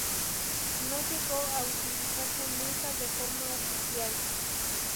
No llegó a utilizarse nunca de forma oficial.